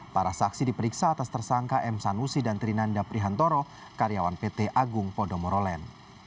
para saksi diperiksa atas tersangka m sanusi dan trinanda prihantoro karyawan pt agung podomorolen